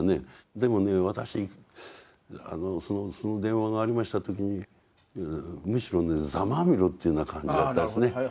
でもね私その電話がありました時にむしろねざまあみろという感じだったですね。